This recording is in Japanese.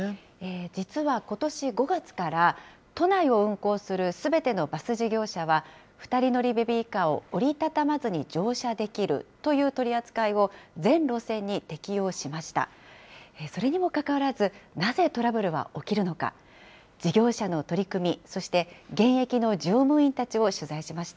実はことし５月から、都内を運行するすべてのバス事業者は、２人乗りベビーカーを折り畳まずに乗車できるという取り扱いを全路線に適用しました。